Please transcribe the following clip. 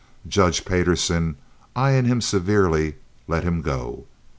Judge Payderson, eyeing him severely, let him go.